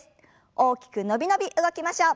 大きく伸び伸び動きましょう。